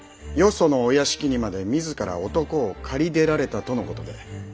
そのお屋敷にまで自ら男を狩り出られたとのことで。